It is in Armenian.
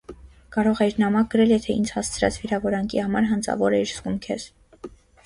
կարող էիր նամակ գրել, եթե ինձ հասցրած վիրավորանքի համար հանցավոր էիր զգում քեզ…